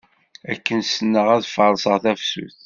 Akken sneɣ ad farṣeɣ tafsut.